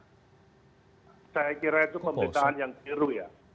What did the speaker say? saya kira itu pemberitaan yang biru ya